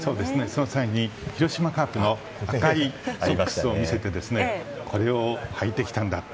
その際、広島カープの赤いソックスを見せてこれを履いてきたんだと。